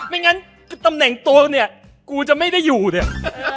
ไม่งั้นตำแหน่งตัวเนี่ยกูจะไม่ได้อยู่เนี่ย